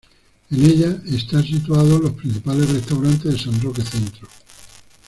En ella están situados los principales restaurantes de San Roque Centro.